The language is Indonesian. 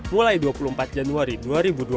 lumayan banyak untuk support dari booster kedua